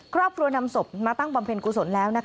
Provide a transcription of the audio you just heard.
ครอบครัวนำศพมาตั้งบำเพ็ญกุศลแล้ว